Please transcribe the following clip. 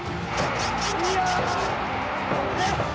よし！